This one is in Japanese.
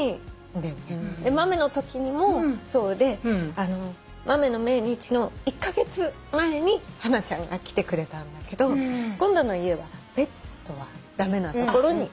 豆のときにもそうで豆の命日の１カ月前にハナちゃんが来てくれたんだけど今度の家はペットは駄目な所に越したのね。